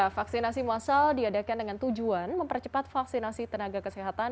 vaksinasi massal diadakan dengan tujuan mempercepat vaksinasi tenaga kesehatan